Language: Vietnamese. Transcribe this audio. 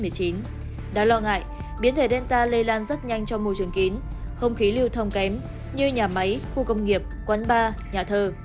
đáng lo ngại biến thể delta lây lan rất nhanh trong môi trường kín không khí lưu thông kém như nhà máy khu công nghiệp quán bar nhà thờ